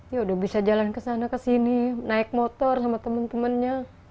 ya udah bisa jalan kesana kesini naik motor sama temen temennya